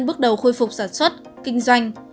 bước đầu khôi phục sản xuất kinh doanh